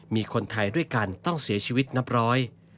มีคนไทยด้วยกันต้องเสียชีวิตนับร้อย